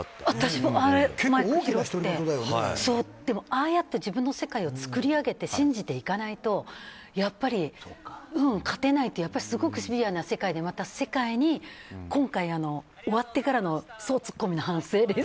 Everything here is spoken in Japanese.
ああやって自分の世界を作り上げて信じていかないとやっぱり勝てないってすごくシビアな世界で今回終わってからの総ツッコミの反省。